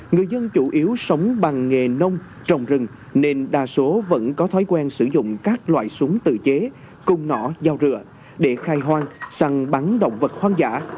người dân chủ yếu sống bằng nghề nông trồng rừng nên đa số vẫn có thói quen sử dụng các loại súng tự chế cung nỏ giao rửa để khai hoang săn bắn động vật hoang dã